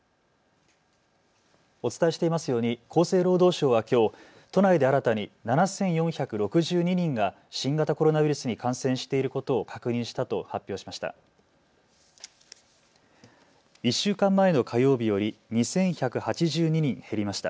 お伝えしていますように厚生労働省はきょう都内で新たに７４６２人が新型コロナウイルスに感染していることを確認したと発表しました。